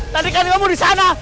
tadi kan kamu di sana